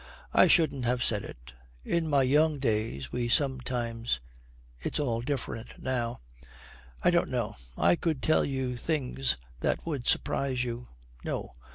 'I shouldn't have said it. In my young days we sometimes It's all different now.' 'I don't know, I could tell you things that would surprise you.' 'No!